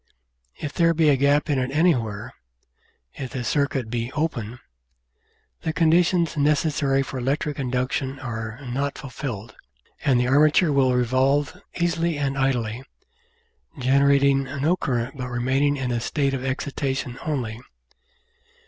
If there be a gap in it anywhere if the circuit be "open" the conditions necessary for electric induction are not fulfilled, and the armature will revolve easily and idly, generating no current but remaining in a state of excitation only.